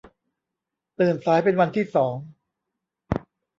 ตื่นสายเป็นวันที่สอง